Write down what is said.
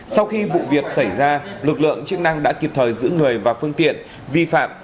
sau khi vụ việc xảy ra lực lượng chức năng đã kịp thời giữ người và phương tiện vi phạm